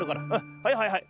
はいはいはい。